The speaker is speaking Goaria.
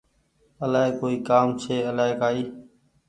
آلآئي ڪوئي ڪآم ڇي آلآئي ڪآئي